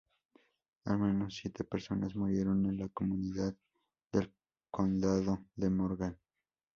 Al menos siete personas murieron en la comunidad del Condado de Morgan.